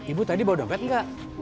ibu tadi bawa dompet nggak